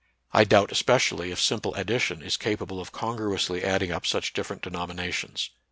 I doubt especially if simple addition is capable of congruously adding up such different denominations.